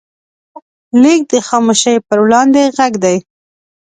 لیک د خاموشۍ پر وړاندې غږ دی.